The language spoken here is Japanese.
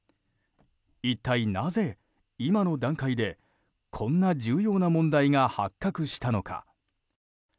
一体なぜ今の段階でこんな重要な問題が発覚したのか。